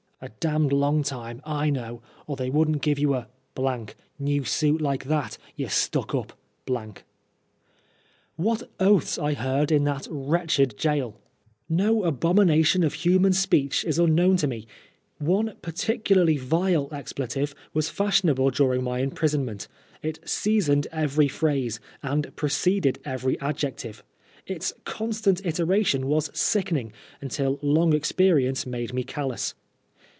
"A damned long time, / know, or they wouldn' give ye a new suit like that, ye stuck up :' What oaths I heard in that wretched gaol! No 134 PBISONER FOB BLASPHEMY. abomination of human speech is unknown to me. One particularly vile expletive was fashionable during my imprisonment ; it seasoned every phrase, and preceded every adjective. Its constant iteration was sickening, until long experience made me callous.